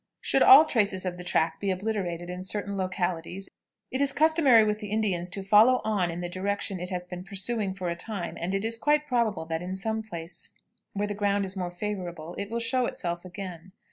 Should all traces of the track be obliterated in certain localities, it is customary with the Indians to follow on in the direction it has been pursuing for a time, and it is quite probable that in some place where the ground is more favorable it will show itself again.